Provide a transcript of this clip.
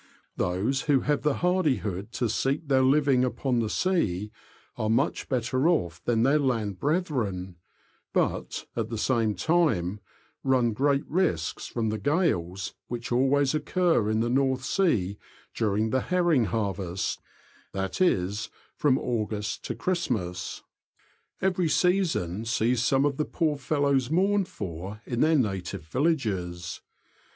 Those who have the hardihood to seek their living upon the sea are much better off than their land brethren, but, at the same time, run gjreat risks from the gales which always occur in the North Sea during the herring harvest, that is, from August to Christ mas. Every season sees some of the poor fellows mourned for in their native villages.